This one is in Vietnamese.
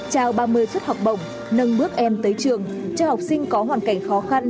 trao ba mươi suất học bổng nâng bước em tới trường cho học sinh có hoàn cảnh khó khăn